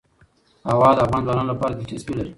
هوا د افغان ځوانانو لپاره دلچسپي لري.